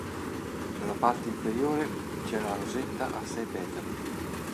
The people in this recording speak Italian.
Nella parte inferiore c'è una rosetta a sei petali.